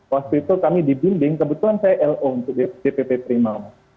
waktu itu kami dibimbing kebetulan saya lo untuk dpp primam